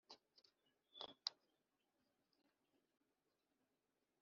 amaze gutuza ashaka umuraguzi wurugamba